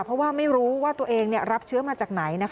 เพราะว่าไม่รู้ว่าตัวเองรับเชื้อมาจากไหน